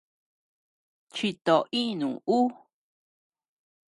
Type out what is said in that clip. Chito inu ú.